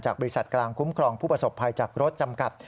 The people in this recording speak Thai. บริษัทกลางคุ้มครองผู้ประสบภัยจากรถจำกัด